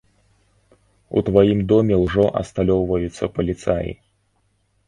У тваім доме ўжо асталёўваюцца паліцаі.